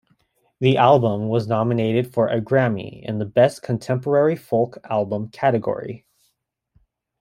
The album was nominated for a Grammy in the Best Contemporary Folk Album category.